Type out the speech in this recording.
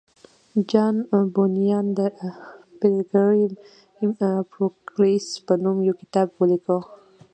جان بونیان د پیلګریم پروګریس په نوم یو کتاب ولیکه